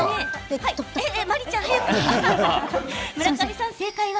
村上さん、正解は？